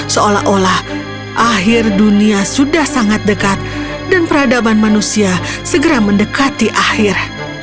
seolah olah akhir dunia sudah sangat dekat dan peradaban manusia segera mendekati akhir